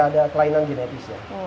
ada kelainan genetik